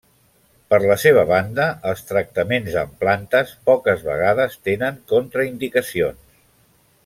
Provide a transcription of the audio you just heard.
Per la seva banda, els tractaments amb plantes, poques vegades tenen contraindicacions.